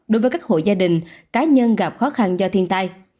đối với các hộ gia đình cá nhân gặp khó khăn do thiên tai